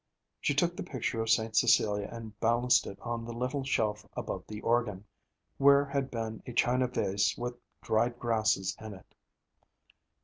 She took the picture of St. Cecilia and balanced it on the little shelf above the organ, where had been a china vase with dried grasses in it.